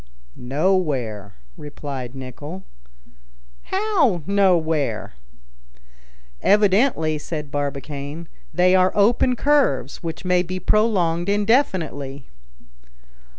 "Nowhere," replied Nicholl. "How, nowhere?" "Evidently," said Barbicane, "they are open curves, which may be prolonged indefinitely."